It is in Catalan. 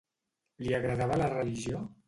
Li agradava la religió?